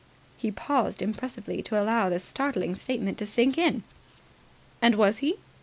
He paused impressively to allow this startling statement to sink in. "And was he?"